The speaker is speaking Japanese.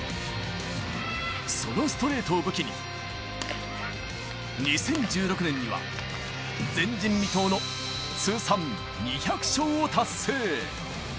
そのストレートを武器に、２０１６年には、前人未到の通算２００勝を達成。